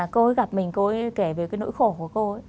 cô gặp mình cô ấy kể về cái nỗi khổ của cô ấy